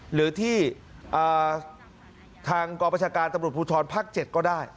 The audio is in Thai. หรือที่ทางกรประชาการตำรวจภูทรภาค๗ก็ได้